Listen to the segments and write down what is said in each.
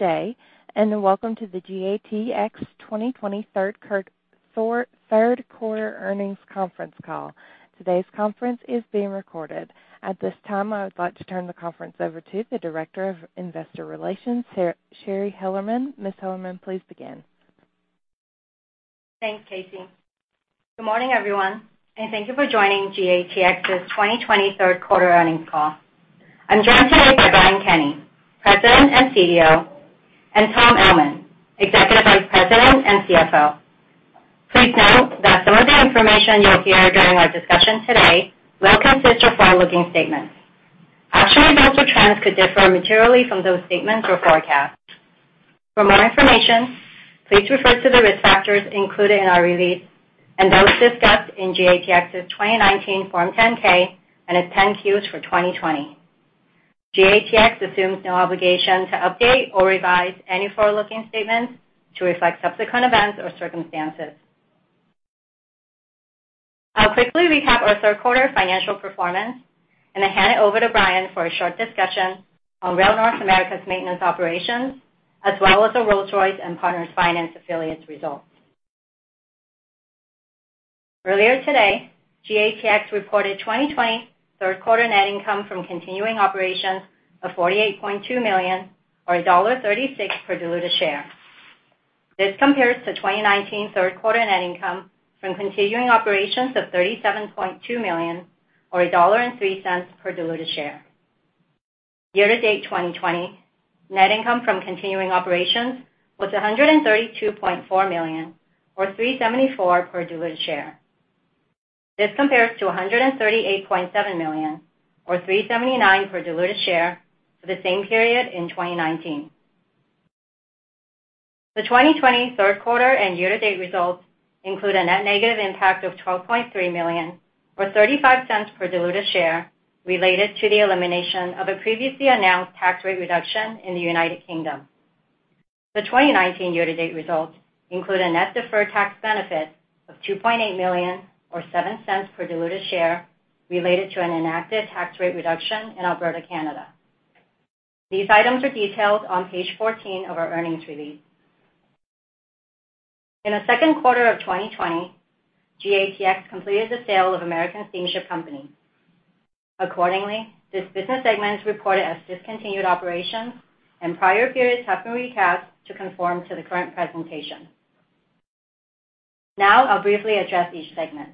Good day, and welcome to the GATX 2020 Third Quarter Earnings Conference Call. Today's conference is being recorded. At this time, I would like to turn the conference over to the Director of Investor Relations, Shari Hellerman. Ms. Hellerman, please begin. Thanks, Casey. Good morning, everyone, thank you for joining GATX's 2020 third quarter earnings call. I'm joined today by Brian Kenney, President and CEO, and Tom Ellman, Executive Vice President and CFO. Please note that some of the information you'll hear during our discussion today will consist of forward-looking statements. Actual results or trends could differ materially from those statements or forecasts. For more information, please refer to the risk factors included in our release and those discussed in GATX's 2019 Form 10-K and its 10-Qs for 2020. GATX assumes no obligation to update or revise any forward-looking statements to reflect subsequent events or circumstances. I'll quickly recap our third quarter financial performance and then hand it over to Brian for a short discussion on Rail North America's maintenance operations, as well as the Rolls-Royce & Partners Finance affiliate's results. Earlier today, GATX reported 2020 third quarter net income from continuing operations of $48.2 million, or $1.36 per diluted share. This compares to 2019 third quarter net income from continuing operations of $37.2 million or $1.03 per diluted share. Year-to-date 2020 net income from continuing operations was $132.4 million, or $3.74 per diluted share. This compares to $138.7 million or $3.79 per diluted share for the same period in 2019. The 2020 third quarter and year-to-date results include a net negative impact of $12.3 million, or $0.35 per diluted share, related to the elimination of a previously announced tax rate reduction in the United Kingdom. The 2019 year-to-date results include a net deferred tax benefit of $2.8 million, or $0.07 per diluted share, related to an enacted tax rate reduction in Alberta, Canada. These items are detailed on page 14 of our earnings release. In the second quarter of 2020, GATX completed the sale of American Steamship Company. Accordingly, this business segment is reported as discontinued operations, and prior periods have been recast to conform to the current presentation. Now, I'll briefly address each segment.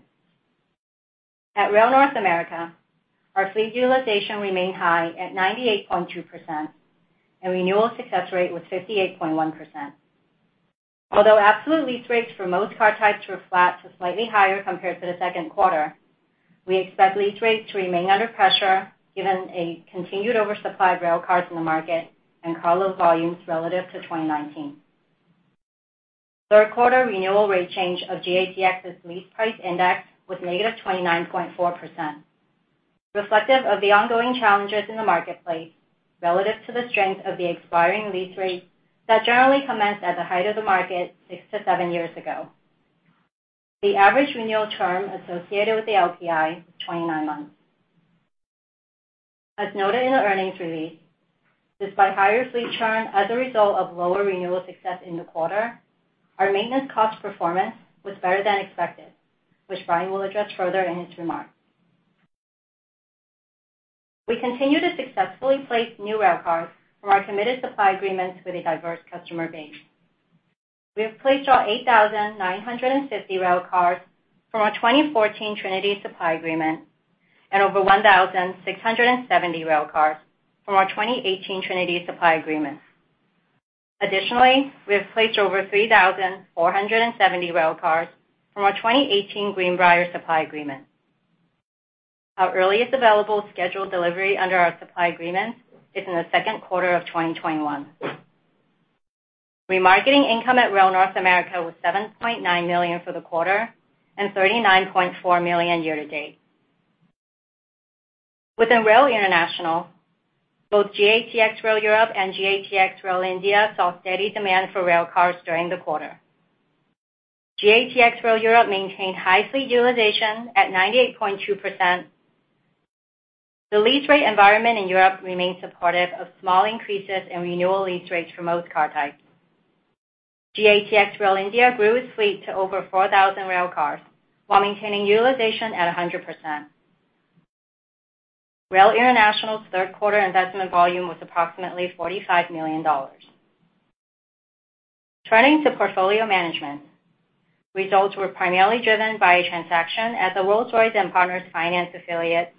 At Rail North America, our fleet utilization remained high at 98.2%, and renewal success rate was 58.1%. Although absolute lease rates for most car types were flat to slightly higher compared to the second quarter, we expect lease rates to remain under pressure given a continued oversupply of rail cars in the market and car load volumes relative to 2019. Third quarter renewal rate change of GATX's Lease Price Index was -29.4%, reflective of the ongoing challenges in the marketplace relative to the strength of the expiring lease rates that generally commenced at the height of the market six to seven years ago. The average renewal term associated with the LPI was 29 months. As noted in the earnings release, despite higher fleet churn as a result of lower renewal success in the quarter, our maintenance cost performance was better than expected, which Brian will address further in his remarks. We continue to successfully place new railcars from our committed supply agreements with a diverse customer base. We have placed our 8,950 railcars from our 2014 Trinity supply agreement and over 1,670 railcars from our 2018 Trinity supply agreement. Additionally, we have placed over 3,470 railcars from our 2018 Greenbrier supply agreement. Our earliest available scheduled delivery under our supply agreements is in the second quarter of 2021. Remarketing income at Rail North America was $7.9 million for the quarter and $39.4 million year to date. Within Rail International, both GATX Rail Europe and GATX Rail India saw steady demand for railcars during the quarter. GATX Rail Europe maintained high fleet utilization at 98.2%. The lease rate environment in Europe remains supportive of small increases in renewal lease rates for most car types. GATX Rail India grew its fleet to over 4,000 railcars while maintaining utilization at 100%. Rail International's third quarter investment volume was approximately $45 million. Turning to portfolio management, results were primarily driven by a transaction at the Rolls-Royce & Partners Finance affiliate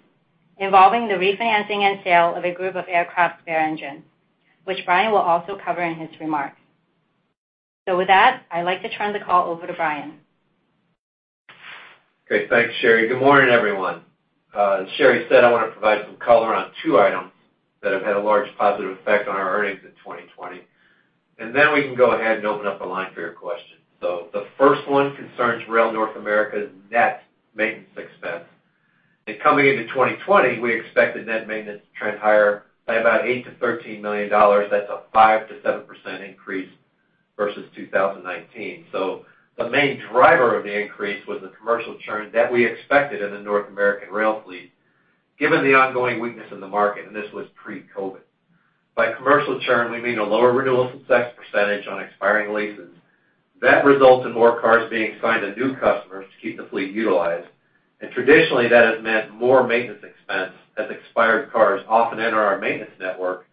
involving the refinancing and sale of a group of aircraft spare engines, which Brian will also cover in his remarks. With that, I'd like to turn the call over to Brian. Great. Thanks, Shari. Good morning, everyone. As Shari said, I want to provide some color on two items that have had a large positive effect on our earnings in 2020, and then we can go ahead and open up the line for your questions. The first one concerns Rail North America's net maintenance expense. Coming into 2020, we expected net maintenance to trend higher by about $8 million-$13 million. That's a 5%-7% increase versus 2019. The main driver of the increase was the commercial churn that we expected in the North American rail fleet. Given the ongoing weakness in the market, and this was pre-COVID. By commercial churn, we mean a lower renewal success percentage on expiring leases. That results in more cars being assigned to new customers to keep the fleet utilized, and traditionally, that has meant more maintenance expense, as expired cars often enter our maintenance network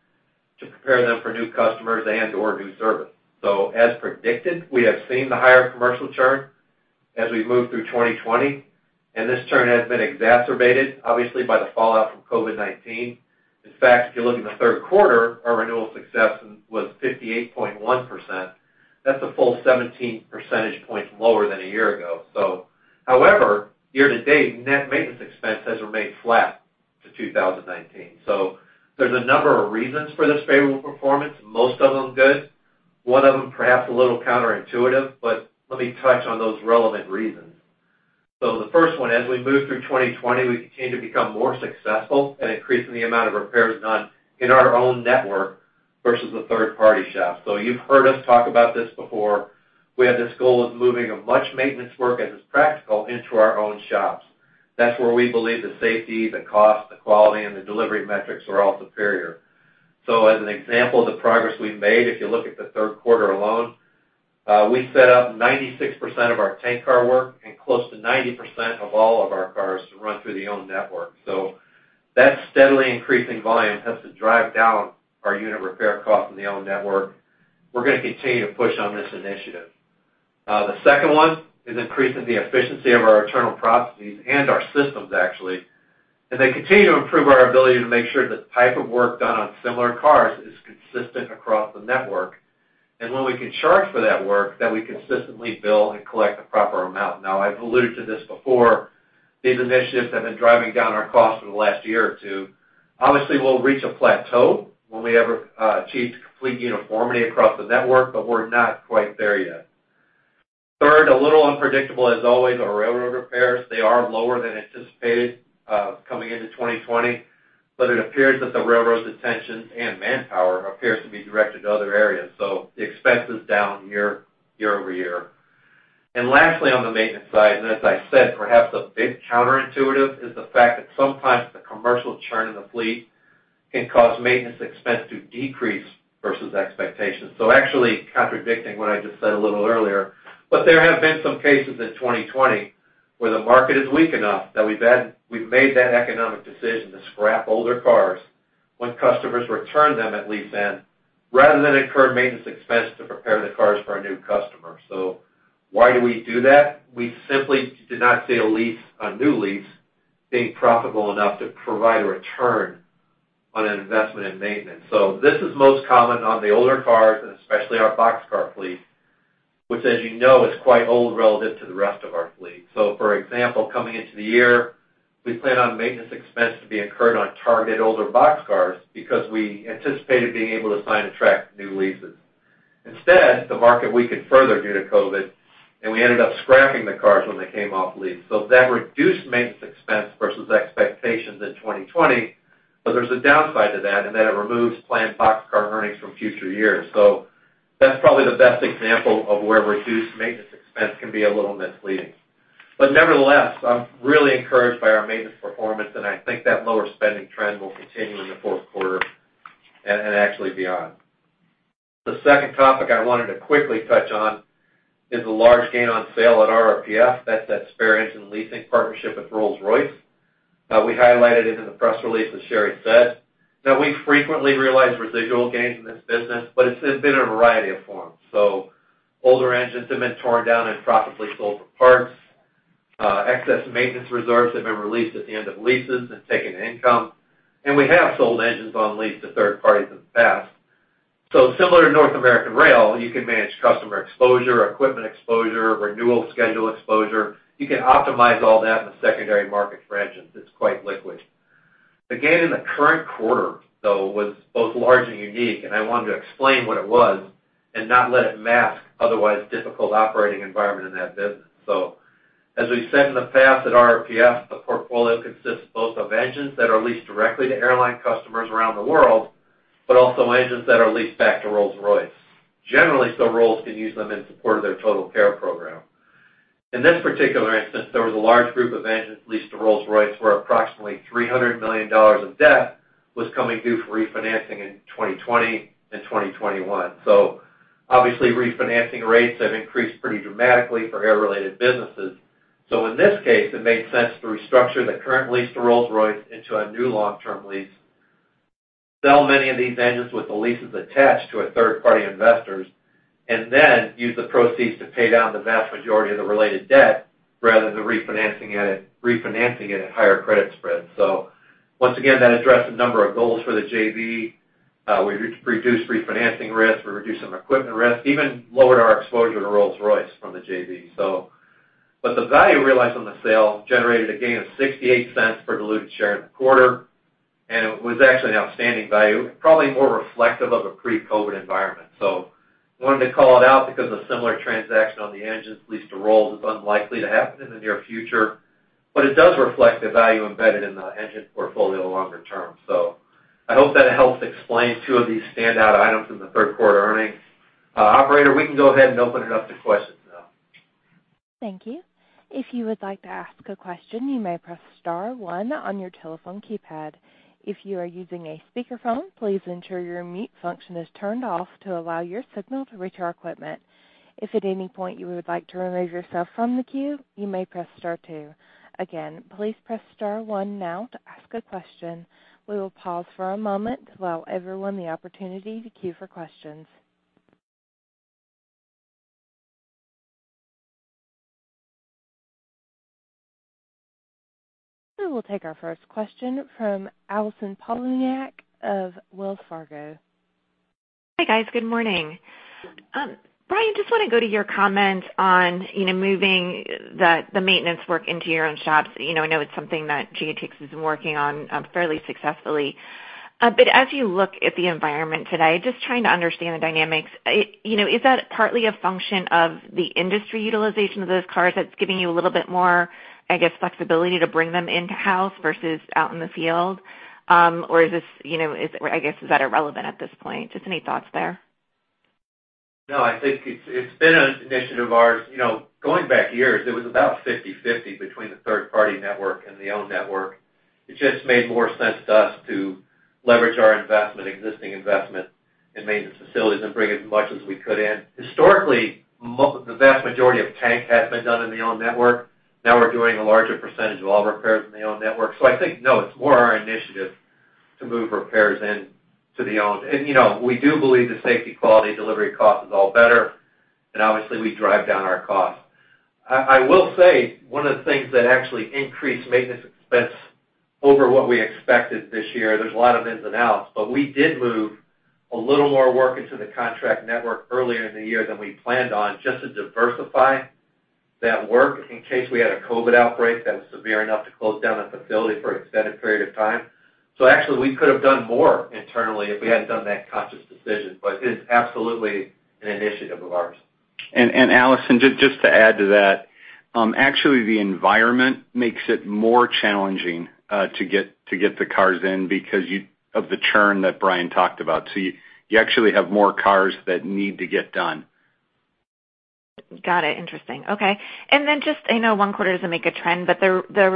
to prepare them for new customers and/or new service. As predicted, we have seen the higher commercial churn as we move through 2020, and this churn has been exacerbated, obviously, by the fallout from COVID-19. In fact, if you look in the third quarter, our renewal success was 58.1%. That's a full 17 percentage points lower than a year ago. However, year to date, net maintenance expense has remained flat to 2019. There's a number of reasons for this favorable performance, most of them good, one of them perhaps a little counterintuitive, but let me touch on those relevant reasons. The first one, as we move through 2020, we continue to become more successful at increasing the amount of repairs done in our own network versus a third-party shop. You've heard us talk about this before. We have this goal of moving as much maintenance work as is practical into our own shops. That's where we believe the safety, the cost, the quality, and the delivery metrics are all superior. As an example of the progress we've made, if you look at the third quarter alone, we set up 96% of our tank car work and close to 90% of all of our cars to run through the owned network. That steadily increasing volume helps to drive down our unit repair cost in the owned network. We're going to continue to push on this initiative. The second one is increasing the efficiency of our internal processes and our systems, actually, as they continue to improve our ability to make sure the type of work done on similar cars is consistent across the network. When we can charge for that work, that we consistently bill and collect the proper amount. Now, I've alluded to this before. These initiatives have been driving down our costs for the last year or two. Obviously, we'll reach a plateau when we ever achieve complete uniformity across the network, we're not quite there yet. Third, a little unpredictable as always, our railroad repairs, they are lower than anticipated coming into 2020, it appears that the railroad's attention and manpower appears to be directed to other areas, the expense is down year-over-year. Lastly, on the maintenance side, as I said, perhaps a bit counterintuitive, is the fact that sometimes the commercial churn in the fleet can cause maintenance expense to decrease versus expectations. Actually contradicting what I just said a little earlier, there have been some cases in 2020 where the market is weak enough that we've made that economic decision to scrap older cars when customers return them at lease end, rather than incur maintenance expense to prepare the cars for a new customer. Why do we do that? We simply did not see a new lease being profitable enough to provide a return on an investment in maintenance. This is most common on the older cars, and especially our boxcar fleet, which as you know, is quite old relative to the rest of our fleet. For example, coming into the year, we planned on maintenance expense to be incurred on targeted older boxcars because we anticipated being able to sign attract new leases. Instead, the market weakened further due to COVID, and we ended up scrapping the cars when they came off lease. That reduced maintenance expense versus expectations in 2020, but there's a downside to that in that it removes planned boxcar earnings from future years. That's probably the best example of where reduced maintenance expense can be a little misleading. Nevertheless, I'm really encouraged by our maintenance performance, and I think that lower spending trend will continue in the fourth quarter and actually beyond. The second topic I wanted to quickly touch on is the large gain on sale at RRPF, that's that spare engine leasing partnership with Rolls-Royce. We highlighted it in the press release, as Shari said. We frequently realize residual gains in this business, but it's been in a variety of forms. Older engines have been torn down and profitably sold for parts. Excess maintenance reserves have been released at the end of leases and taken income, and we have sold engines on lease to third parties in the past. Similar to North America Rail, you can manage customer exposure, equipment exposure, renewal schedule exposure. You can optimize all that in the secondary market for engines. It's quite liquid. The gain in the current quarter, though, was both large and unique, and I wanted to explain what it was and not let it mask otherwise difficult operating environment in that business. As we've said in the past, at RRPF, the portfolio consists both of engines that are leased directly to airline customers around the world, but also engines that are leased back to Rolls-Royce. Generally, Rolls can use them in support of their TotalCare program. In this particular instance, there was a large group of engines leased to Rolls-Royce, where approximately $300 million of debt was coming due for refinancing in 2020 and 2021. Obviously, refinancing rates have increased pretty dramatically for air-related businesses. In this case, it made sense to restructure the current lease to Rolls-Royce into a new long-term lease, sell many of these engines with the leases attached to third-party investors, and then use the proceeds to pay down the vast majority of the related debt rather than refinancing it at higher credit spreads. Once again, that addressed a number of goals for the JV. We reduced refinancing risk. We reduced some equipment risk, even lowered our exposure to Rolls-Royce from the JV. The value realized on the sale generated a gain of $0.68 per diluted share in the quarter, and it was actually an outstanding value, probably more reflective of a pre-COVID environment. Wanted to call it out because a similar transaction on the engines leased to Rolls is unlikely to happen in the near future, but it does reflect the value embedded in the engine portfolio longer term. I hope that helps explain two of these standout items in the third quarter earnings. Operator, we can go ahead and open it up to questions. Thank you. If you would like to ask a question, you may press star one on your telephone keypad. If you are using a speakerphone, please ensure your mute function is turned off to allow your signal to reach our equipment. If at any point you would like to remove yourself from the queue, you may press star two. Again, please press star one now to ask a question. We will pause for a moment to allow everyone the opportunity to queue for questions. We will take our first question from Allison Poliniak of Wells Fargo. Hi, guys. Good morning. Brian, just want to go to your comment on moving the maintenance work into your own shops. I know it's something that GATX has been working on fairly successfully. As you look at the environment today, just trying to understand the dynamics. Is that partly a function of the industry utilization of those cars that's giving you a little bit more, I guess, flexibility to bring them into house versus out in the field? I guess, is that irrelevant at this point? Just any thoughts there? No, I think it's been an initiative of ours. Going back years, it was about 50/50 between the third-party network and the owned network. It just made more sense to us to leverage our existing investment in maintenance facilities and bring as much as we could in. Historically, the vast majority of tank has been done in the owned network. Now we're doing a larger percentage of all repairs in the owned network. I think, no, it's more our initiative to move repairs in to the owned. We do believe the safety, quality, delivery, cost is all better. Obviously, we drive down our cost. I will say, one of the things that actually increased maintenance expense over what we expected this year, there's a lot of ins and outs, but we did move a little more work into the contract network earlier in the year than we planned on, just to diversify that work in case we had a COVID outbreak that was severe enough to close down a facility for an extended period of time. Actually, we could have done more internally if we hadn't done that conscious decision. It is absolutely an initiative of ours. Allison, just to add to that. Actually, the environment makes it more challenging to get the cars in because of the churn that Brian talked about. You actually have more cars that need to get done. Got it. Interesting. Okay. Just, I know one quarter doesn't make a trend, but the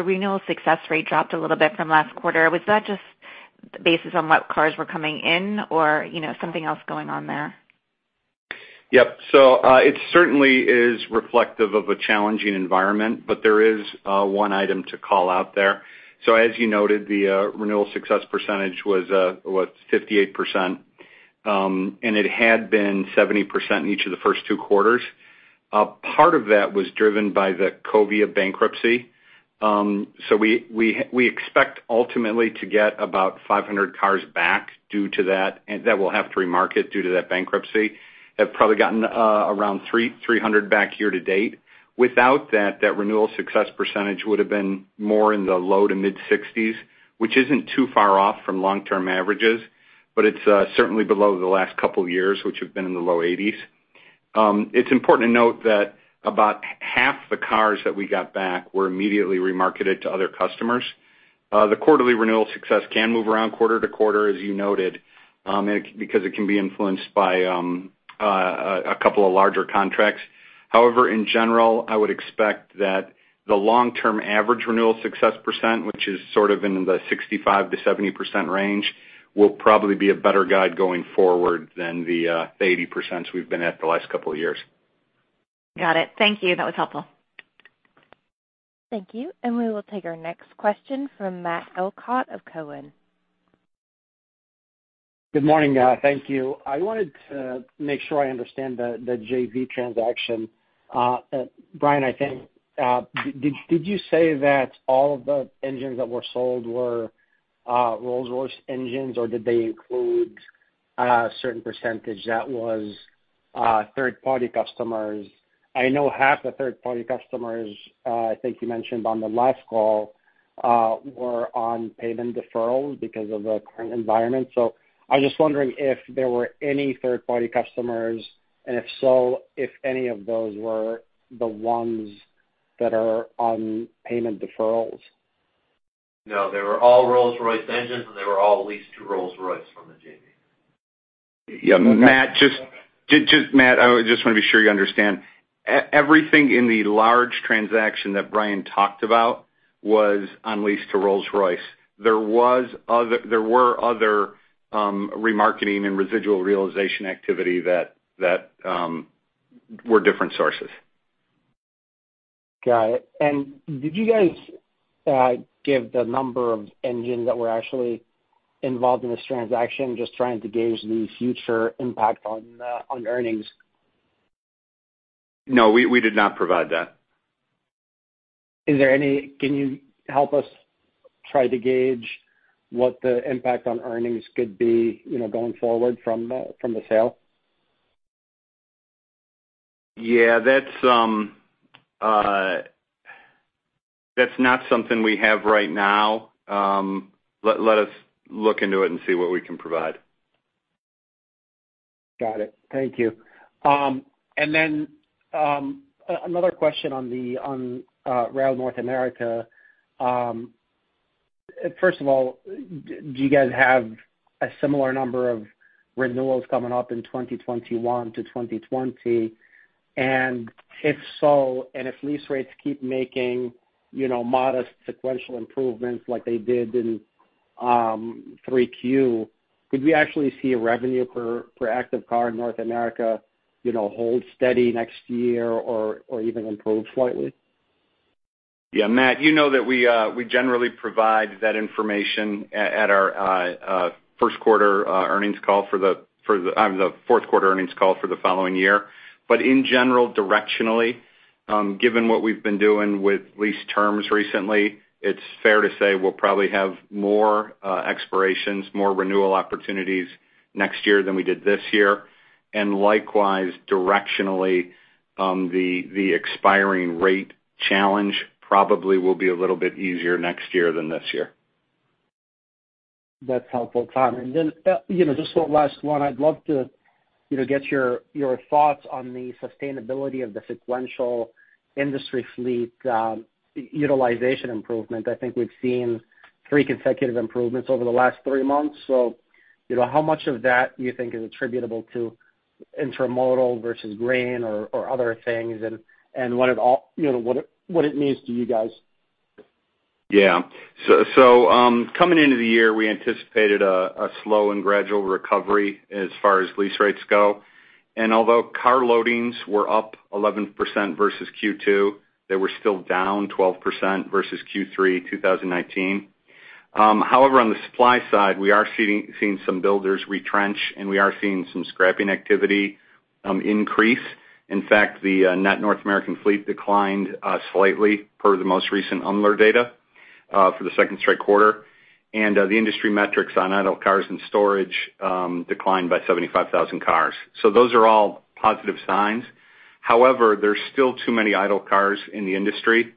renewal success rate dropped a little bit from last quarter. Was that just based on what cars were coming in or something else going on there? Yep. It certainly is reflective of a challenging environment, but there is one item to call out there. As you noted, the renewal success percentage was 58%, and it had been 70% in each of the first two quarters. Part of that was driven by the Covia bankruptcy. We expect ultimately to get about 500 cars back due to that we'll have to remarket due to that bankruptcy. We have probably gotten around 300 back year to date. Without that renewal success percentage would have been more in the low to mid-60s, which isn't too far off from long-term averages, but it's certainly below the last couple of years, which have been in the low 80s. It's important to note that about half the cars that we got back were immediately remarketed to other customers. The quarterly renewal success can move around quarter-to-quarter, as you noted, because it can be influenced by a couple of larger contracts. However, in general, I would expect that the long-term average renewal success percent, which is sort of in the 65%-70% range, will probably be a better guide going forward than the 80% we've been at the last couple of years. Got it. Thank you. That was helpful. Thank you. We will take our next question from Matt Elkott of Cowen. Good morning, guys. Thank you. I wanted to make sure I understand the JV transaction. Brian, I think, did you say that all of the engines that were sold were Rolls-Royce engines, or did they include a certain percentage that was third-party customers? I know half the third-party customers, I think you mentioned on the last call, were on payment deferrals because of the current environment. I was just wondering if there were any third-party customers, and if so, if any of those were the ones that are on payment deferrals. No, they were all Rolls-Royce engines, and they were all leased to Rolls-Royce from the JV. Matt, I just want to be sure you understand. Everything in the large transaction that Brian talked about was on lease to Rolls-Royce. There were other remarketing and residual realization activity that were different sources. Got it. Did you guys give the number of engines that were actually involved in this transaction? Just trying to gauge the future impact on earnings. No, we did not provide that. Can you help us try to gauge what the impact on earnings could be going forward from the sale? Yeah. That's not something we have right now. Let us look into it and see what we can provide. Got it. Thank you. Another question on Rail North America. First of all, do you guys have a similar number of renewals coming up in 2021 to 2020? If so, if lease rates keep making modest sequential improvements like they did in 3Q, could we actually see a revenue per active car in North America hold steady next year or even improve slightly? Yeah, Matt, you know that we generally provide that information at our first quarter earnings call. The fourth quarter earnings call for the following year. In general, directionally, given what we've been doing with lease terms recently, it's fair to say we'll probably have more expirations, more renewal opportunities next year than we did this year. Likewise, directionally, the expiring rate challenge probably will be a little bit easier next year than this year. That's helpful, Tom. Then just one last one. I'd love to get your thoughts on the sustainability of the sequential industry fleet utilization improvement. I think we've seen three consecutive improvements over the last three months. How much of that do you think is attributable to intermodal versus grain or other things? What it means to you guys. Yeah. Coming into the year, we anticipated a slow and gradual recovery as far as lease rates go. Although car loadings were up 11% versus Q2, they were still down 12% versus Q3 2019. However, on the supply side, we are seeing some builders retrench, and we are seeing some scrapping activity increase. In fact, the net North American fleet declined slightly per the most recent unload data for the second straight quarter. The industry metrics on idle cars and storage declined by 75,000 cars. Those are all positive signs. However, there's still too many idle cars in the industry.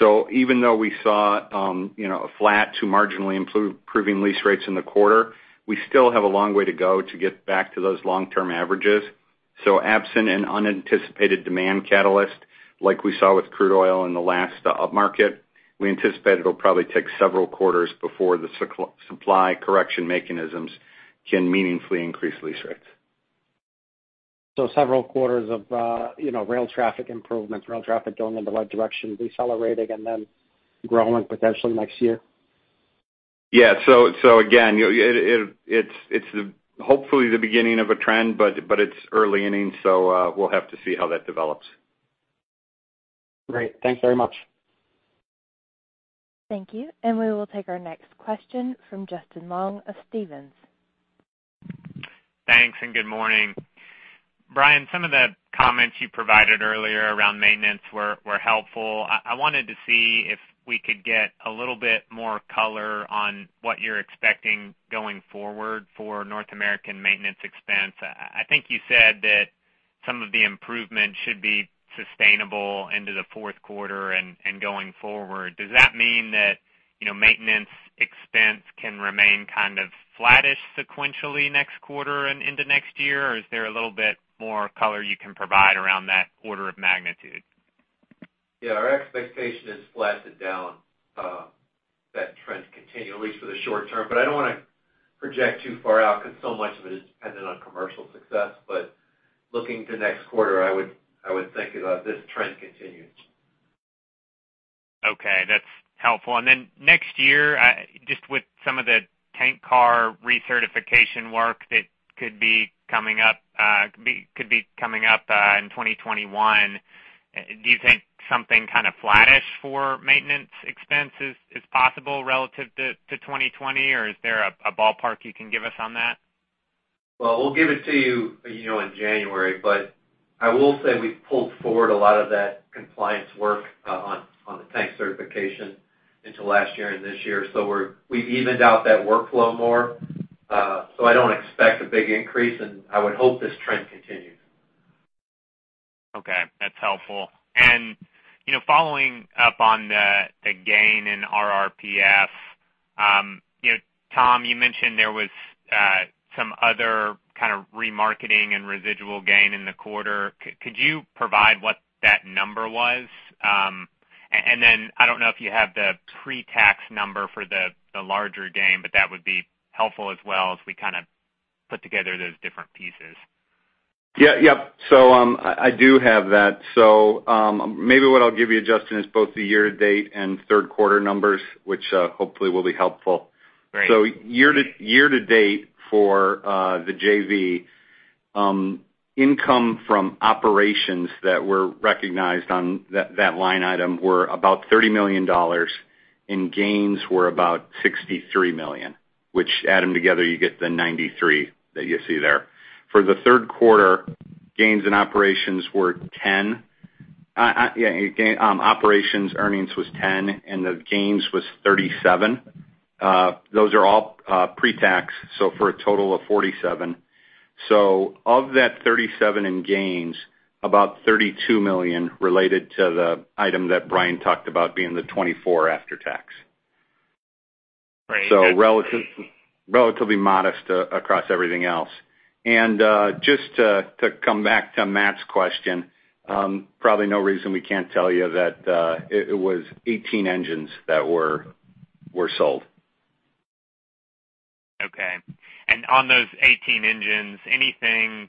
Even though we saw a flat to marginally improving lease rates in the quarter, we still have a long way to go to get back to those long-term averages. Absent an unanticipated demand catalyst, like we saw with crude oil in the last upmarket, we anticipate it'll probably take several quarters before the supply correction mechanisms can meaningfully increase lease rates. Several quarters of rail traffic improvements, rail traffic going in the right direction, decelerating and then growing potentially next year? Yeah. Again, it's hopefully the beginning of a trend, but it's early innings, so we'll have to see how that develops. Great. Thanks very much. Thank you. We will take our next question from Justin Long of Stephens. Thanks, and good morning. Brian, some of the comments you provided earlier around maintenance were helpful. I wanted to see if we could get a little bit more color on what you're expecting going forward for North American maintenance expense. I think you said that some of the improvements should be sustainable into the fourth quarter and going forward. Does that mean that maintenance expense can remain flattish sequentially next quarter and into next year? Is there a little bit more color you can provide around that order of magnitude? Yeah. Our expectation is flattish down that trend continues at least for the short term. I don't want to project too far out because so much of it is dependent on commercial success. Looking to next quarter, I would think this trend continues. Okay. That's helpful. Next year, just with some of the tank car recertification work that could be coming up in 2021, do you think something flattish for maintenance expense is possible relative to 2020? Is there a ballpark you can give us on that? We'll give it to you in January, but I will say we pulled forward a lot of that compliance work on the tank certification into last year and this year. We've evened out that workflow more. I don't expect a big increase, and I would hope this trend continues. Okay. That's helpful. Following up on the gain in RRPF, Tom, you mentioned there was some other kind of remarketing and residual gain in the quarter. Could you provide what that number was? I don't know if you have the pre-tax number for the larger gain, but that would be helpful as well as we kind of put together those different pieces. Yeah. I do have that. Maybe what I'll give you, Justin, is both the year to date and third quarter numbers, which hopefully will be helpful. Great. Year to date for the JV, income from operations that were recognized on that line item were about $30 million, and gains were about $63 million, which add them together, you get the $93 million that you see there. For the third quarter, gains and operations were $10 million. Operations earnings was $10 million, and the gains was $37 million. Those are all pre-tax, so for a total of $47 million. Of that $37 million in gains, about $32 million related to the item that Brian talked about being the $24 million after tax. Right. Relatively modest across everything else. Just to come back to Matt's question, probably no reason we can't tell you that it was 18 engines that were sold. Okay. On those 18 engines, anything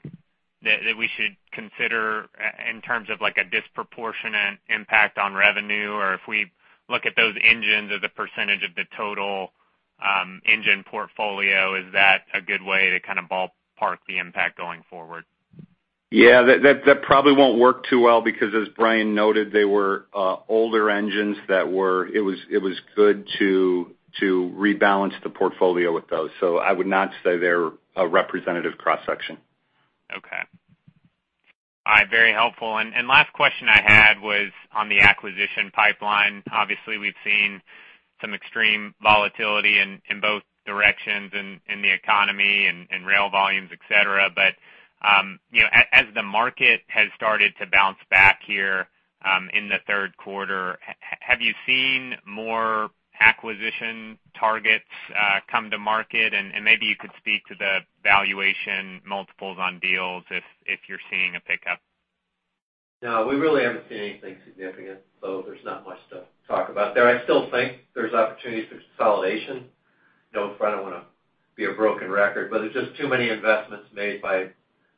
that we should consider in terms of a disproportionate impact on revenue? If we look at those engines as a % of the total engine portfolio, is that a good way to ballpark the impact going forward? Yeah, that probably won't work too well because as Brian noted, they were older engines. It was good to rebalance the portfolio with those. I would not say they're a representative cross-section. Okay. Very helpful. Last question I had was on the acquisition pipeline. Obviously, we've seen some extreme volatility in both directions in the economy and rail volumes, et cetera. As the market has started to bounce back here in the third quarter, have you seen more acquisition targets come to market? Maybe you could speak to the valuation multiples on deals if you're seeing a pickup. No, we really haven't seen anything significant. There's not much to talk about there. I still think there's opportunities for consolidation. I don't want to be a broken record, but there's just too many investments made by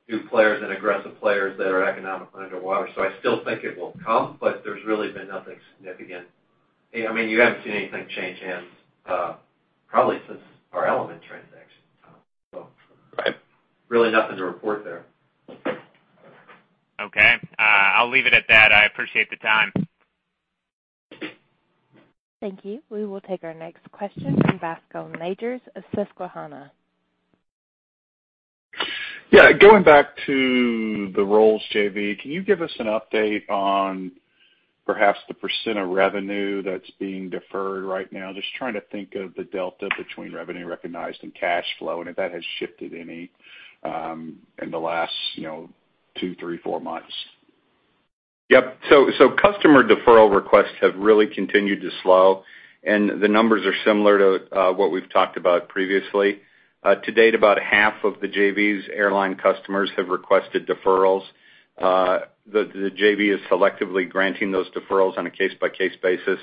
new players and aggressive players that are economically underwater. I still think it will come, but there's really been nothing significant. You haven't seen anything change hands, probably since our Element transaction. Right. Really nothing to report there. Okay. I'll leave it at that. I appreciate the time. Thank you. We will take our next question from Bascome Majors of Susquehanna. Yeah. Going back to the Rolls JV, can you give us an update on perhaps the percent of revenue that's being deferred right now? Just trying to think of the delta between revenue recognized and cash flow, and if that has shifted any in the last two, three, four months. Yep. Customer deferral requests have really continued to slow, and the numbers are similar to what we've talked about previously. To date, about half of the JV's airline customers have requested deferrals. The JV is selectively granting those deferrals on a case-by-case basis.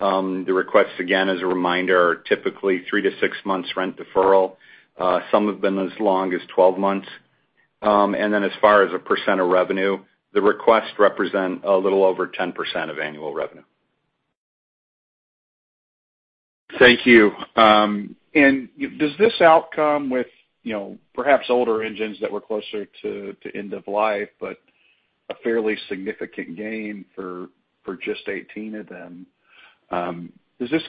The requests, again, as a reminder, are typically three to six months rent deferral. Some have been as long as 12 months. As far as a percent of revenue, the requests represent a little over 10% of annual revenue. Thank you. Does this outcome with perhaps older engines that were closer to end of life, but a fairly significant gain for just 18 of them,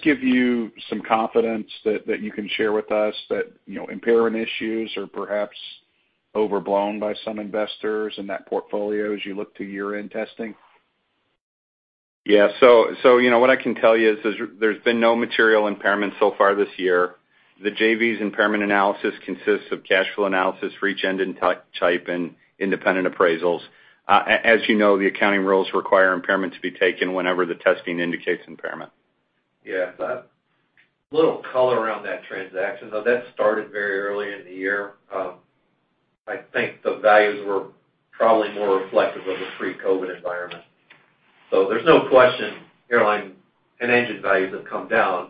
give you some confidence that you can share with us that impairment issues are perhaps overblown by some investors in that portfolio as you look to year-end testing? Yeah. What I can tell you is there's been no material impairment so far this year. The JV's impairment analysis consists of cash flow analysis for each engine type and independent appraisals. As you know, the accounting rules require impairment to be taken whenever the testing indicates impairment. A little color around that transaction, though that started very early in the year. I think the values were probably more reflective of the pre-COVID environment. There's no question airline and engine values have come down.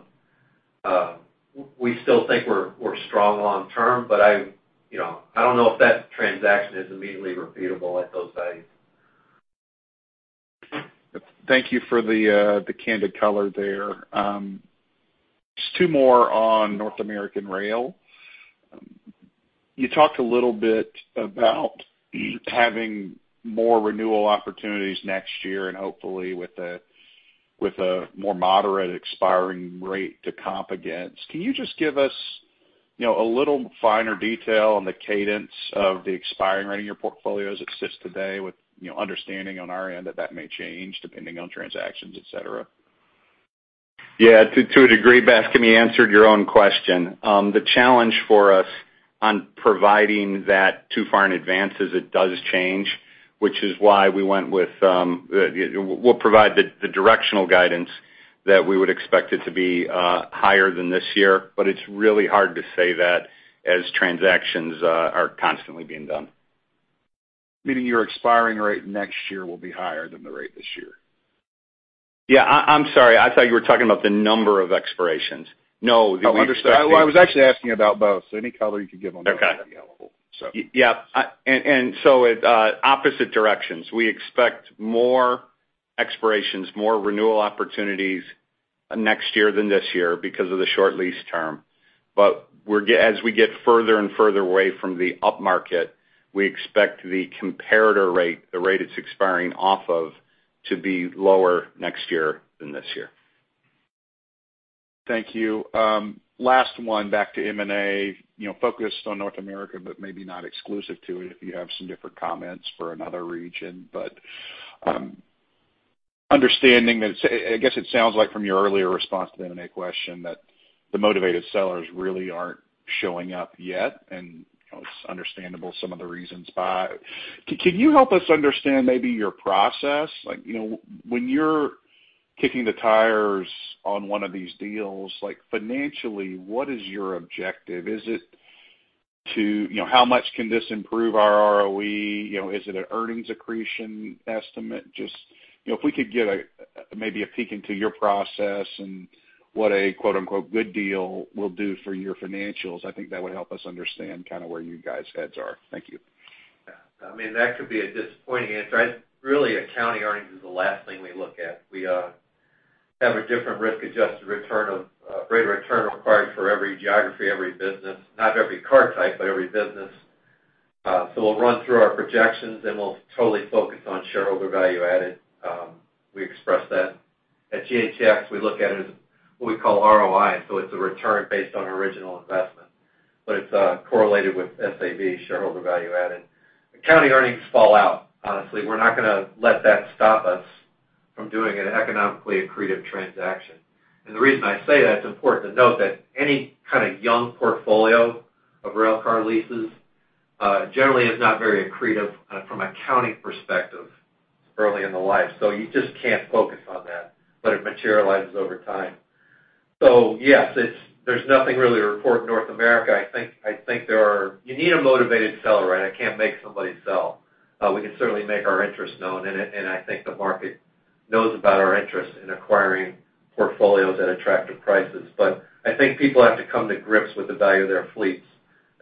We still think we're strong long term, I don't know if that transaction is immediately repeatable at those values. Thank you for the candid color there. Just two more on North American Rail. You talked a little bit about having more renewal opportunities next year and hopefully with a more moderate expiring rate to comp against. Can you just give us a little finer detail on the cadence of the expiring rate in your portfolio as it sits today with understanding on our end that that may change depending on transactions, et cetera? Yeah, to a degree, Bas, you answered your own question. The challenge for us on providing that too far in advance is it does change, which is why we'll provide the directional guidance that we would expect it to be higher than this year, but it's really hard to say that as transactions are constantly being done. Meaning your expiring rate next year will be higher than the rate this year? Yeah. I'm sorry. I thought you were talking about the number of expirations. No. Understood. Well, I was actually asking about both, so any color you could give on that. Okay. Would be helpful. Yeah. Opposite directions. We expect more expirations, more renewal opportunities next year than this year because of the short lease term. As we get further and further away from the upmarket, we expect the comparator rate, the rate it's expiring off of, to be lower next year than this year. Thank you. Last one back to M&A, focused on North America, but maybe not exclusive to it if you have some different comments for another region. Understanding that, I guess it sounds like from your earlier response to the M&A question, that the motivated sellers really aren't showing up yet, and it's understandable some of the reasons why. Can you help us understand maybe your process? When you're kicking the tires on one of these deals, financially, what is your objective? How much can this improve our ROE? Is it an earnings accretion estimate? Just, if we could get maybe a peek into your process and what a quote unquote "good deal" will do for your financials, I think that would help us understand where you guys' heads are. Thank you. That could be a disappointing answer. Really accounting earnings is the last thing we look at. We have a different risk-adjusted rate of return required for every geography, every business. Not every car type, but every business. We'll run through our projections, and we'll totally focus on shareholder value added. We express that. At GATX, we look at it as what we call ROI, so it's a return based on our original investment. It's correlated with SAV, shareholder value added. Accounting earnings fall out. Honestly, we're not going to let that stop us from doing an economically accretive transaction. The reason I say that, it's important to note that any kind of young portfolio of railcar leases generally is not very accretive from accounting perspective early in the life. You just can't focus on that, it materializes over time. Yes, there's nothing really to report in North America. You need a motivated seller, I can't make somebody sell. We can certainly make our interest known, and I think the market knows about our interest in acquiring portfolios at attractive prices. I think people have to come to grips with the value of their fleets,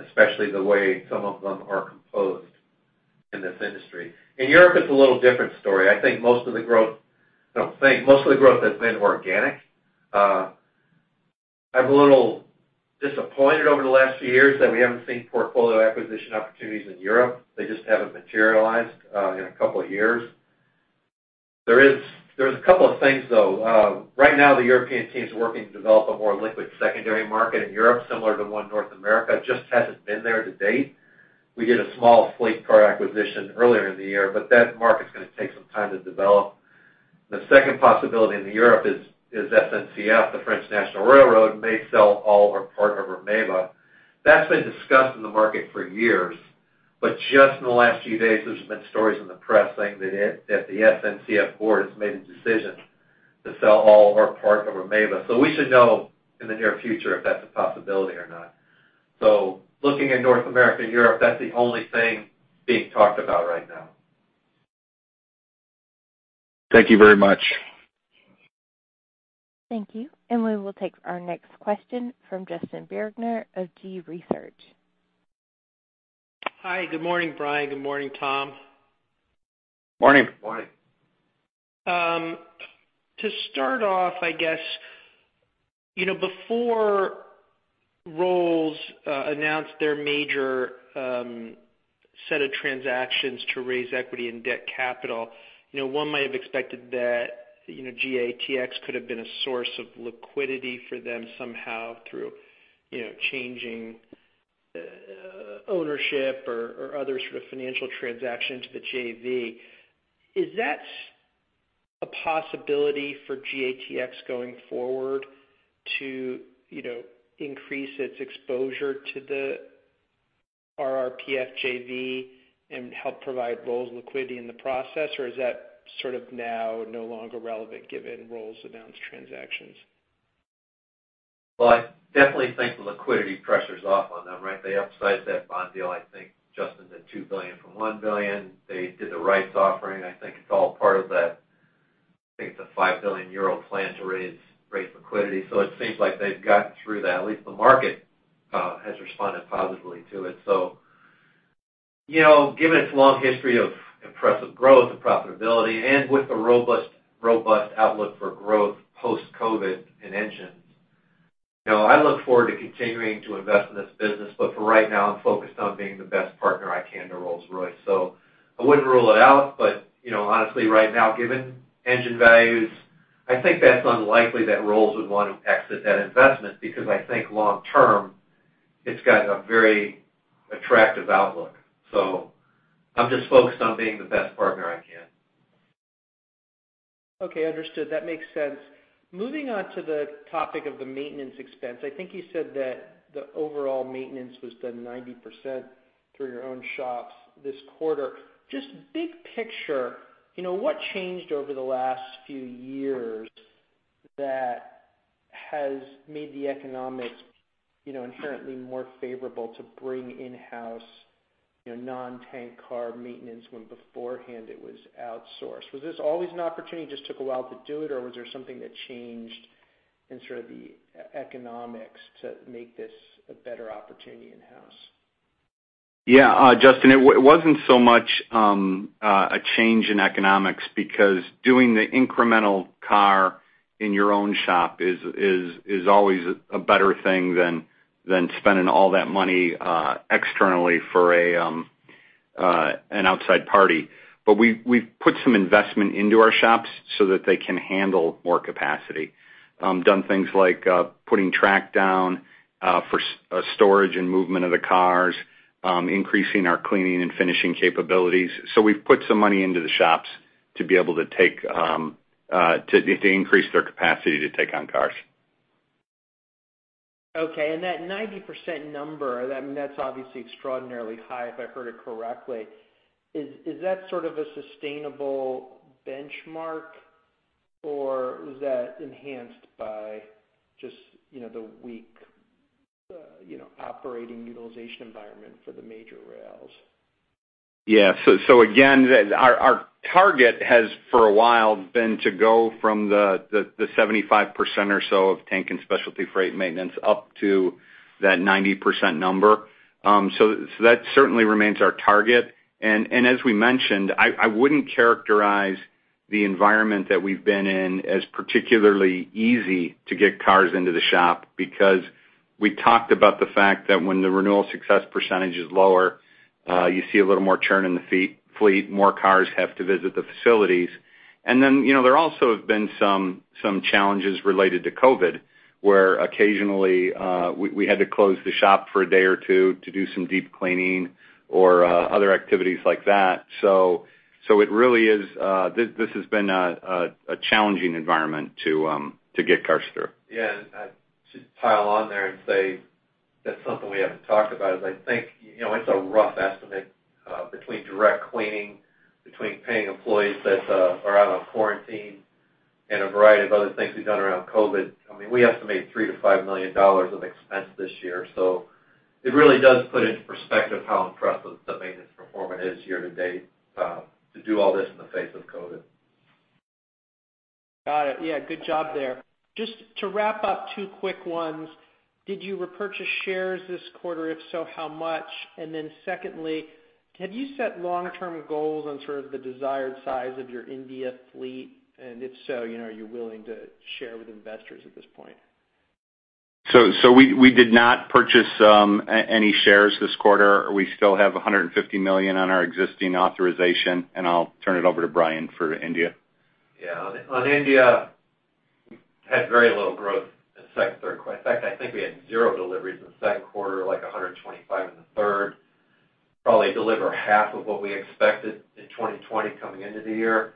especially the way some of them are composed in this industry. In Europe, it's a little different story. I think most of the growth has been organic. I'm a little disappointed over the last few years that we haven't seen portfolio acquisition opportunities in Europe. They just haven't materialized in a couple of years. There's a couple of things, though. Right now, the European team's working to develop a more liquid secondary market in Europe, similar to the one North America, just hasn't been there to date. We did a small fleet car acquisition earlier in the year, but that market's going to take some time to develop. The second possibility into Europe is SNCF, the French National Railroad, may sell all or part of Ermewa. That's been discussed in the market for years, but just in the last few days, there's been stories in the press saying that the SNCF board has made a decision to sell all or part of Ermewa. We should know in the near future if that's a possibility or not. Looking at North America and Europe, that's the only thing being talked about right now. Thank you very much. Thank you. We will take our next question from Justin Bergner of G.research. Hi, good morning, Brian. Good morning, Tom. Morning. Morning. To start off, I guess, before Rolls announced their major set of transactions to raise equity in debt capital, one might have expected that GATX could have been a source of liquidity for them somehow through changing ownership or other sort of financial transactions with JV. Is that a possibility for GATX going forward to increase its exposure to the RRPF JV and help provide Rolls liquidity in the process, or is that sort of now no longer relevant given Rolls announced transactions? Well, I definitely think the liquidity pressure's off on them. They upsized that bond deal, I think Justin said $2 billion from $1 billion. They did the rights offering. I think it's all part of that 5 billion euro plan to raise liquidity. It seems like they've gotten through that, at least the market has responded positively to it. Given its long history of impressive growth and profitability, and with the robust outlook for growth post-COVID in engines, I look forward to continuing to invest in this business. For right now, I'm focused on being the best partner I can to Rolls-Royce. I wouldn't rule it out, but, honestly, right now, given engine values, I think that's unlikely that Rolls would want to exit that investment because I think long-term, it's got a very attractive outlook. I'm just focused on being the best partner I can. Okay, understood. That makes sense. Moving on to the topic of the maintenance expense, I think you said that the overall maintenance was done 90% through your own shops this quarter. Just big picture, what changed over the last few years that has made the economics inherently more favorable to bring in-house non-tank car maintenance when beforehand it was outsourced? Was this always an opportunity, just took a while to do it, or was there something that changed in sort of the economics to make this a better opportunity in-house? Yeah, Justin, it wasn't so much a change in economics because doing the incremental car in your own shop is always a better thing than spending all that money externally for an outside party. We've put some investment into our shops so that they can handle more capacity. We've done things like putting track down for storage and movement of the cars, increasing our cleaning and finishing capabilities. We've put some money into the shops to increase their capacity to take on cars. Okay, that 90% number, that's obviously extraordinarily high, if I heard it correctly. Is that sort of a sustainable benchmark, or was that enhanced by just the weak operating utilization environment for the major rails? Yeah. Again, our target has, for a while, been to go from the 75% or so of tank and specialty freight maintenance up to that 90% number. That certainly remains our target. As we mentioned, I wouldn't characterize the environment that we've been in as particularly easy to get cars into the shop because we talked about the fact that when the renewal success percentage is lower, you see a little more churn in the fleet, more cars have to visit the facilities. There also have been some challenges related to COVID, where occasionally, we had to close the shop for a day or two to do some deep cleaning or other activities like that. This has been a challenging environment to get cars through. Yeah. To pile on there and say that's something we haven't talked about is I think it's a rough estimate between direct cleaning, between paying employees that are out on quarantine, and a variety of other things we've done around COVID. We estimate $3 million-$5 million of expense this year. It really does put into perspective how impressive the maintenance performance is year to date, to do all this in the face of COVID. Got it. Yeah, good job there. Just to wrap up, two quick ones. Did you repurchase shares this quarter? If so, how much? Secondly, have you set long-term goals on sort of the desired size of your India fleet? If so, are you willing to share with investors at this point? We did not purchase any shares this quarter. We still have $150 million on our existing authorization. I'll turn it over to Brian for India. Yeah. On India, had very little growth in the second and third quarter. In fact, I think we had zero deliveries in the second quarter, like 125 in the third. Probably deliver half of what we expected in 2020 coming into the year.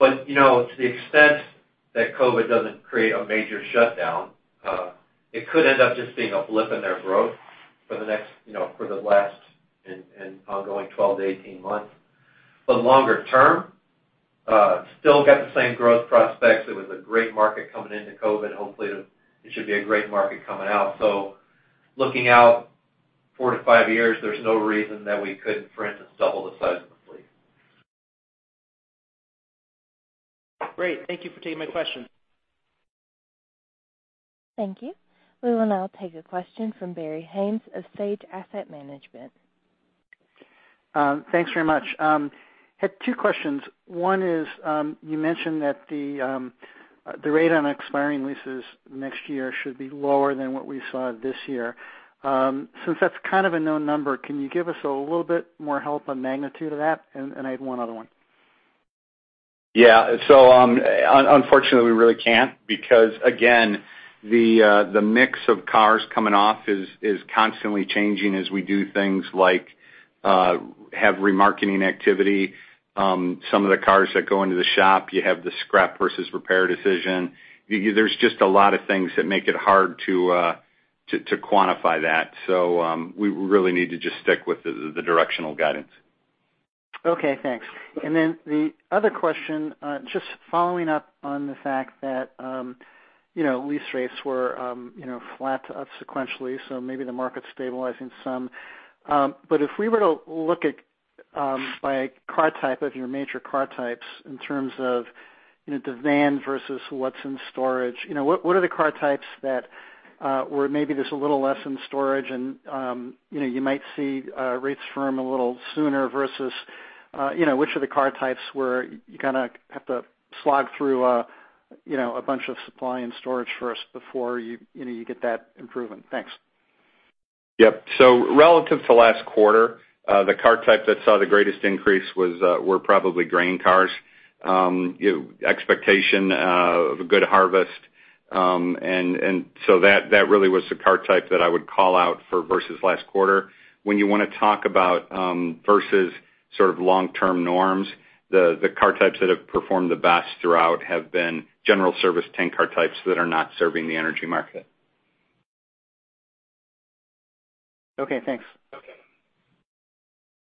To the extent that COVID doesn't create a major shutdown, it could end up just being a blip in their growth for the last and ongoing 12 to 18 months. Longer term, still got the same growth prospects. It was a great market coming into COVID. Hopefully it should be a great market coming out. Looking out four to five years, there's no reason that we couldn't, for instance, double the size of the fleet. Great. Thank you for taking my question. Thank you. We will now take a question from Barry Haimes of Sage Asset Management. Thanks very much. Had two questions. One is, you mentioned that the rate on expiring leases next year should be lower than what we saw this year. Since that's kind of a known number, can you give us a little bit more help on magnitude of that? I have one other one. Yeah. Unfortunately, we really can't because again, the mix of cars coming off is constantly changing as we do things like have remarketing activity. Some of the cars that go into the shop, you have the scrap versus repair decision. There's just a lot of things that make it hard to quantify that. We really need to just stick with the directional guidance. Okay, thanks. The other question, just following up on the fact that lease rates were flat to up sequentially, so maybe the market's stabilizing some. But if we were to look at by car type of your major car types in terms of demand versus what's in storage, what are the car types where maybe there's a little less in storage and you might see rates firm a little sooner versus which are the car types where you kind of have to slog through a bunch of supply and storage first before you get that improvement? Thanks. Yep. Relative to last quarter, the car type that saw the greatest increase were probably grain cars. Expectation of a good harvest. That really was the car type that I would call out for versus last quarter. When you want to talk about versus sort of long-term norms, the car types that have performed the best throughout have been general service tank car types that are not serving the energy market. Okay, thanks.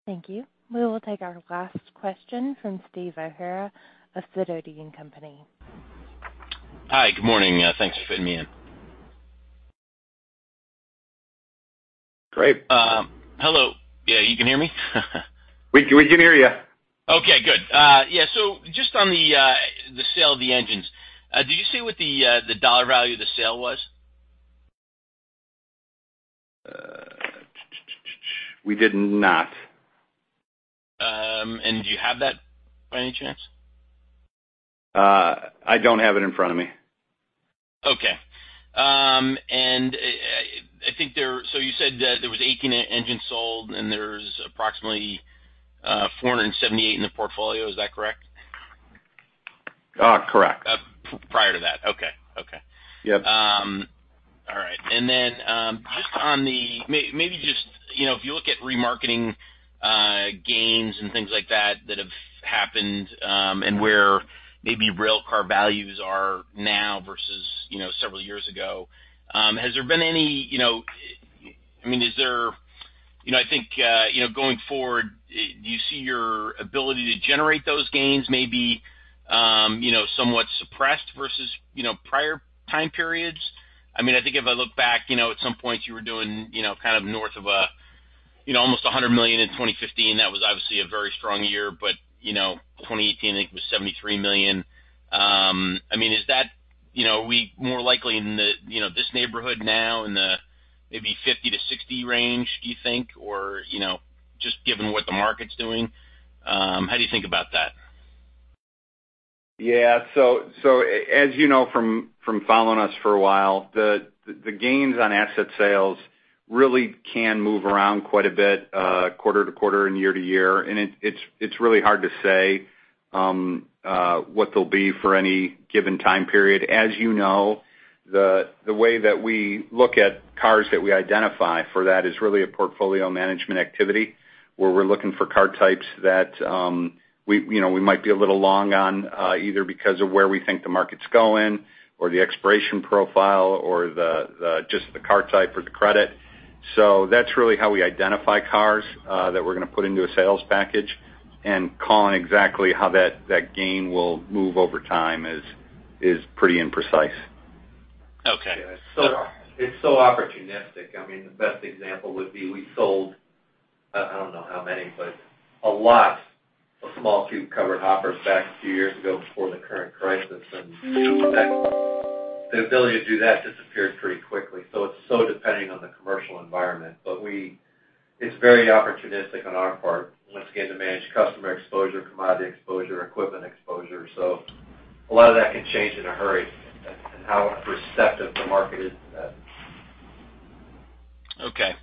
Okay. Thank you. We will take our last question from Steve O'Hara of Sidoti & Company. Hi, good morning. Thanks for fitting me in. Great. Hello. Yeah, you can hear me? We can hear you. Okay, good. Yeah. Just on the sale of the engines, did you say what the dollar value of the sale was? We did not. Do you have that by any chance? I don't have it in front of me. Okay. You said that there was 1,800 engines sold and there's approximately 478 in the portfolio. Is that correct? Correct. Prior to that. Okay. Yep. All right. If you look at remarketing gains and things like that have happened, and where maybe railcar values are now versus several years ago. I think, going forward, do you see your ability to generate those gains maybe somewhat suppressed versus prior time periods? I think if I look back, at some point, you were doing north of almost $100 million in 2015. That was obviously a very strong year, but 2018, I think it was $73 million. Are we more likely in this neighborhood now, in the maybe $50 million-$60 million range, do you think, or just given what the market's doing? How do you think about that? As you know from following us for a while, the gains on asset sales really can move around quite a bit quarter-to-quarter and year-to-year, and it's really hard to say what they'll be for any given time period. As you know, the way that we look at cars that we identify for that is really a portfolio management activity where we're looking for car types that we might be a little long on, either because of where we think the market's going, or the expiration profile, or just the car type or the credit. That's really how we identify cars that we're going to put into a sales package, and calling exactly how that gain will move over time is pretty imprecise. Okay. It's so opportunistic. The best example would be we sold, I don't know how many, but a lot of small cube covered hoppers back a few years ago before the current crisis, and the ability to do that disappeared pretty quickly. It's so dependent on the commercial environment. It's very opportunistic on our part, once again, to manage customer exposure, commodity exposure, equipment exposure. A lot of that can change in a hurry and how perceptive the market is to that. Okay.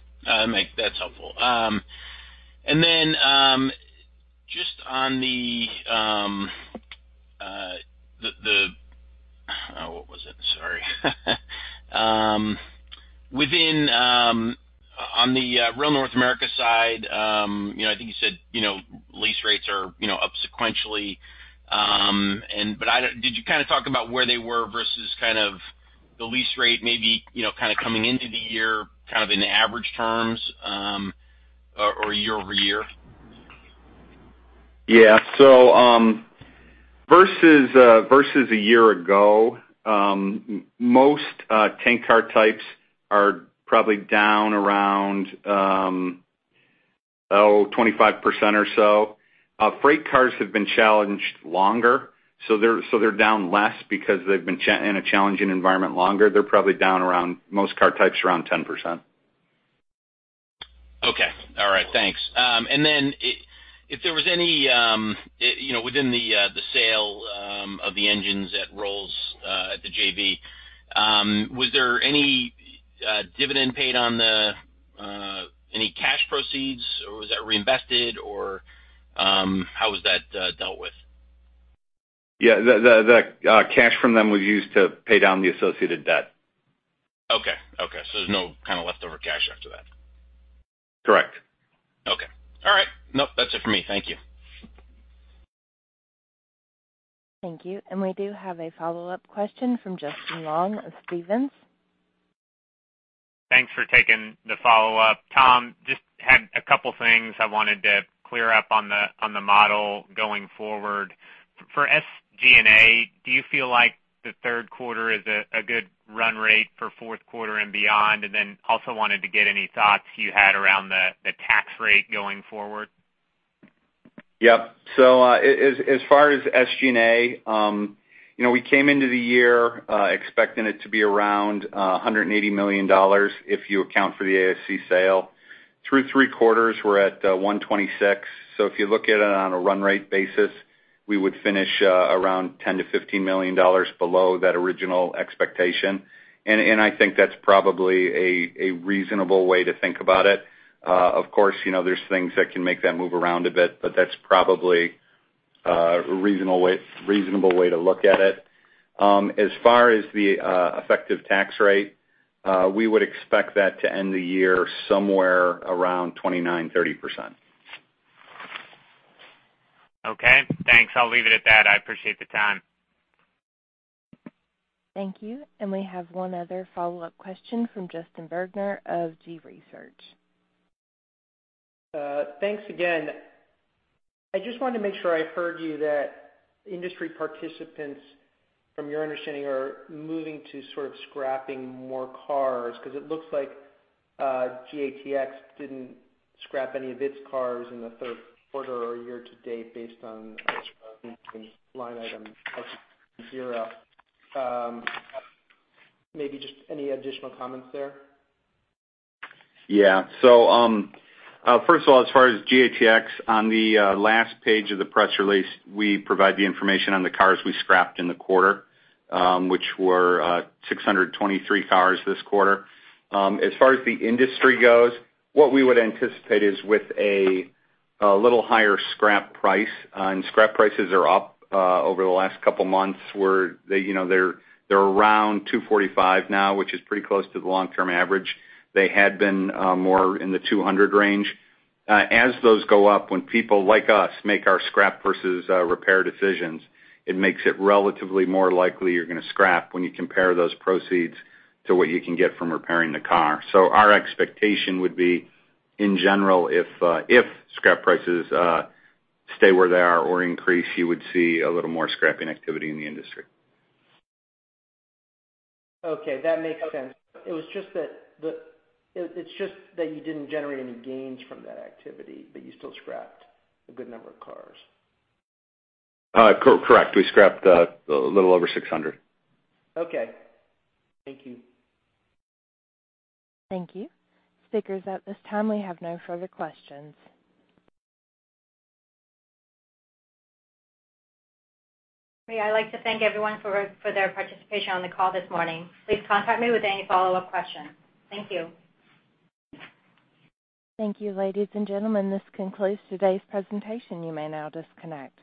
Mike, that's helpful. What was it? Sorry. On the Rail North America side, I think you said lease rates are up sequentially, did you talk about where they were versus the lease rate maybe coming into the year in average terms or year-over-year? Yeah. Versus a year ago, most tank car types are probably down around 25% or so. Freight cars have been challenged longer. They're down less because they've been in a challenging environment longer. They're probably down around, most car types, around 10%. Okay. All right. Thanks. Then, within the sale of the engines at Rolls, at the JV, was there any dividend paid on the any cash proceeds, or was that reinvested, or how was that dealt with? Yeah. The cash from them was used to pay down the associated debt. Okay. There's no leftover cash after that? Correct. Okay. All right. Nope. That's it for me. Thank you. Thank you. We do have a follow-up question from Justin Long of Stephens. Thanks for taking the follow-up. Tom, just had a couple things I wanted to clear up on the model going forward. For SG&A, do you feel like the third quarter is a good run rate for fourth quarter and beyond? Also wanted to get any thoughts you had around the tax rate going forward. Yep. As far as SG&A, we came into the year expecting it to be around $180 million if you account for the ASC sale. Through three quarters, we're at $126 million. If you look at it on a run rate basis, we would finish around $10 million-$15 million below that original expectation. I think that's probably a reasonable way to think about it. Of course, there's things that can make that move around a bit, but that's probably a reasonable way to look at it. As far as the effective tax rate, we would expect that to end the year somewhere around 29%-30%. Okay. Thanks. I'll leave it at that. I appreciate the time. Thank you. We have one other follow-up question from Justin Bergner of G.research. Thanks again. I just wanted to make sure I heard you that industry participants, from your understanding, are moving to sort of scrapping more cars because it looks like GATX didn't scrap any of its cars in the third quarter or year to date based on line item maybe just any additional comments there? First of all, as far as GATX, on the last page of the press release, we provide the information on the cars we scrapped in the quarter, which were 623 cars this quarter. As far as the industry goes, what we would anticipate is with a little higher scrap price, and scrap prices are up over the last couple of months where they're around $245 now, which is pretty close to the long-term average. They had been more in the $200 range. As those go up, when people like us make our scrap versus repair decisions, it makes it relatively more likely you're going to scrap when you compare those proceeds to what you can get from repairing the car. Our expectation would be, in general, if scrap prices stay where they are or increase, you would see a little more scrapping activity in the industry. Okay. That makes sense. It's just that you didn't generate any gains from that activity, but you still scrapped a good number of cars. Correct. We scrapped a little over 600. Okay. Thank you. Thank you. Speakers, at this time, we have no further questions. I'd like to thank everyone for their participation on the call this morning. Please contact me with any follow-up questions. Thank you. Thank you, ladies and gentlemen. This concludes today's presentation. You may now disconnect.